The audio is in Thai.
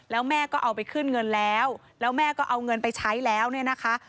แล้วแม่ก็เอาไปขึ้นเงินแล้วแล้วแม่ก็เอาเงินไปใช้แล้วเนี่ยนะคะ